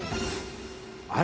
あ。